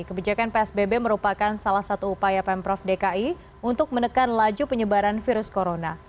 kebijakan psbb merupakan salah satu upaya pemprov dki untuk menekan laju penyebaran virus corona